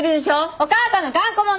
お母さんの頑固者！